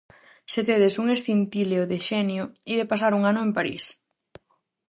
Se tedes un escintileo de xenio, ide pasar un ano en París.